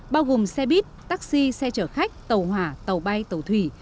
bao gồm xe buýt taxi xe chở khách tàu hỏa tàu bay tàu thủy